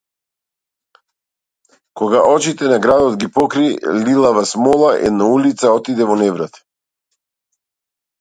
Кога очите на градот ги покри лилава смола една улица отиде во неврат.